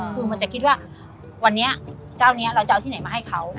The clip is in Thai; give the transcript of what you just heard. คือมันจะคิดว่าวันนี้เจ้านี้เราจะเอาที่ไหนมาให้เขา